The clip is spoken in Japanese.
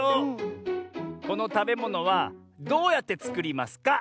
このたべものはどうやってつくりますか？